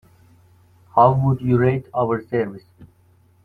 How would you rate our service?